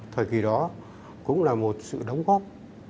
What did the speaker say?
thời kỳ đó cũng là một sự đóng góp